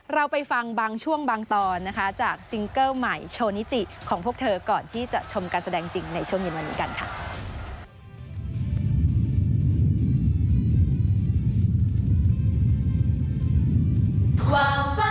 เราไปฟังบางช่วงบางตอนนะคะจากซิงเกิ้ลใหม่โชนิจิของพวกเธอก่อนที่จะชมการแสดงจริงในช่วงเย็นวันนี้กันค่ะ